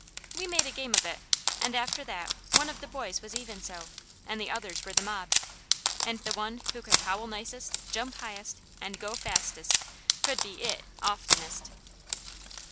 We made a game of it, and after that one of the boys was Even So, and the others were the mob, and the one who could howl nicest, jump highest, and go fastest, could be "It" oftenest.